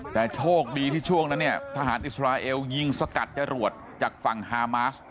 แต่โชคดีที่ช่วงนั้นเนี่ยทหารอิสราเอลยิงสกัดจรวดจากฝั่งฮามาส